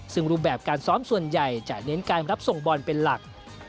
ซึ่งรูปแบบการซ้อมส่วนใหญ่จะเน้นการรับส่งบอลเป็นหลัก